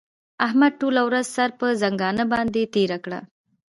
احمد ټوله ورځ سر پر ځنګانه باندې تېره کړه.